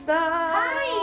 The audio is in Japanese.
はい。